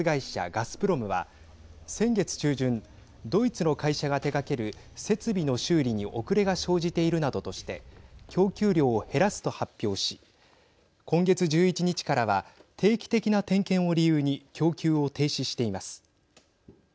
ガスプロムは先月中旬ドイツの会社が手がける設備の修理に遅れが生じているなどとして供給量を減らすと発表し今月１１日からは定期的な点検を理由に供給を停止しています。